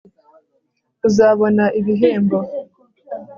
uzabona ibihembo